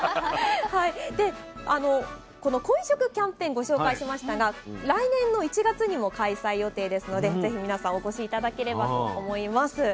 でこの鯉食キャンペーンご紹介しましたが来年の１月にも開催予定ですので是非皆さんお越し頂ければと思います。